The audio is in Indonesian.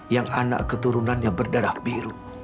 yang anak keturunan yang berdarah biru